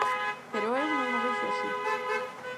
Pero eu non o vexo así.